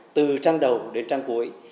từ trang đầu đến trang cuối